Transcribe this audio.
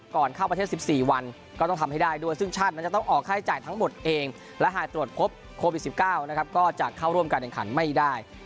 ก่อนเข้าประเทศ๑๔วันก็ต้องทำให้ได้